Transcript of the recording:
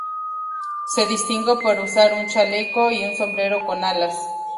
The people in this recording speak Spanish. Se distingue por usar un chaleco, y un sombrero con alas.